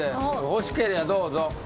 欲しけりゃどうぞ。